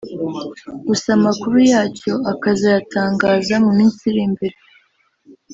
gusa amakuru yacyo akazayatangaza mu minsi iri imbere